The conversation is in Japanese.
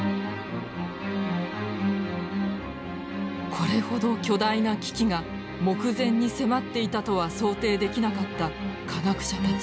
これほど巨大な危機が目前に迫っていたとは想定できなかった科学者たち。